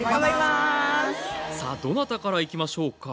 さあどなたからいきましょうか？